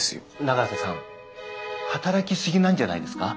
永瀬さん働きすぎなんじゃないですか？